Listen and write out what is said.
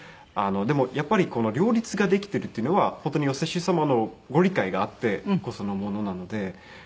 でもやっぱり両立ができているっていうのは本当にお施主様のご理解があってこそのものなので。